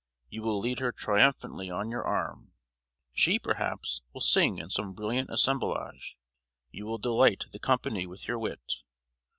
You will lead her triumphantly on your arm; she, perhaps, will sing in some brilliant assemblage; you will delight the company with your wit.